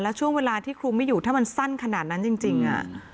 แล้วช่วงเวลาที่คลุมไม่อยู่ถ้ามันสั้นขนาดนั้นจริง